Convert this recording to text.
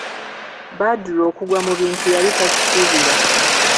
Badru okugwa mu bintu yali takisuubira.